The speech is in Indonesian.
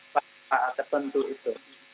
bahasa tertentu itu